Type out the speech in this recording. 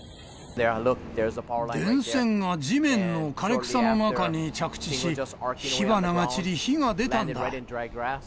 電線が地面の枯れ草の中に着地し、火花が散り、火が出たんだ。